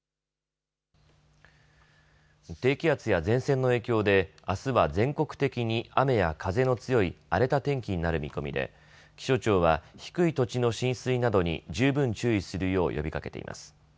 低気圧や前線の影響であすは全国的に雨や風の強い荒れた天気になる見込みで気象庁は低い土地の浸水などに十分注意するよう呼びかけています。